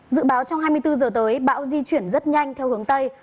dự báo trong hai mươi bốn giờ tới bão di chuyển rất nhanh theo hướng tây